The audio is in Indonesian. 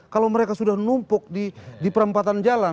kalau mereka sudah numpuk di perempatan jalan